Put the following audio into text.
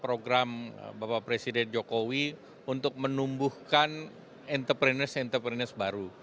program bapak presiden jokowi untuk menumbuhkan entrepreneurs entrepreneurs baru